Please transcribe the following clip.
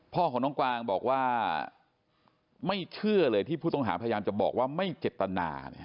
พ่อของน้องกวางบอกว่าไม่เชื่อเลยที่ผู้ต้องหาพยายามจะบอกว่าไม่เจตนา